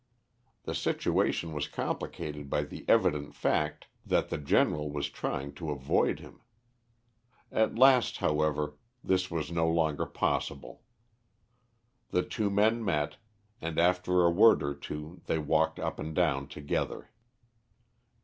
The situation was complicated by the evident fact that the General was trying to avoid him. At last, however, this was no longer possible, the two men met, and after a word or two they walked up and down together.